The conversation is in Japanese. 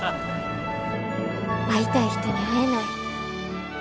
会いたい人に会えない。